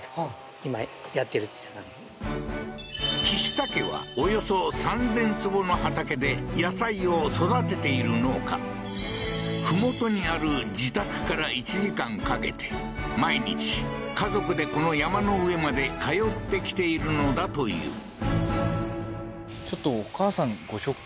木下家はおよそ３０００坪の畑で野菜を育てている農家麓にある自宅から１時間かけて毎日家族でこの山の上まで通ってきているのだといういいね